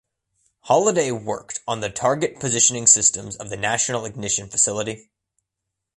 Holliday worked on the target positioning systems of the National Ignition Facility.